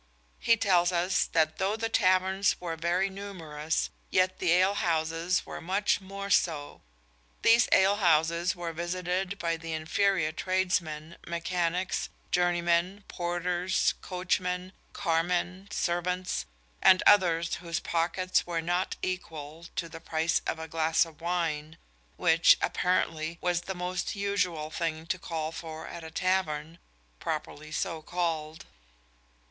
He tells us that though the taverns were very numerous yet the ale houses were much more so. These ale houses were visited by the inferior tradesmen, mechanics, journeymen, porters, coachmen, carmen, servants, and others whose pockets were not equal to the price of a glass of wine, which, apparently, was the more usual thing to call for at a tavern, properly so called.